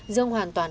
dương hoàn toàn